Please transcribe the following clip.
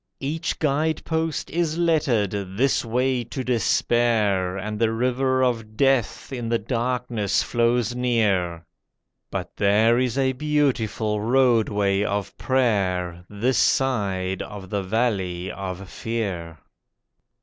Each guide post is lettered, 'This way to Despair,' And the River of Death in the darkness flows near, But there is a beautiful Roadway of Prayer This side of the Valley of Fear.